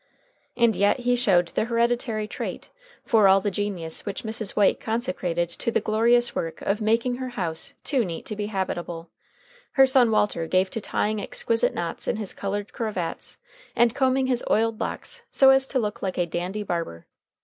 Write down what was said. And yet he showed the hereditary trait, for all the genius which Mrs. White consecrated to the glorious work of making her house too neat to be habitable, her son Walter gave to tying exquisite knots in his colored cravats and combing his oiled locks so as to look like a dandy barber.